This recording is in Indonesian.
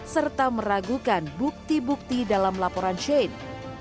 serta meragukan bukti bukti dalam laporan shane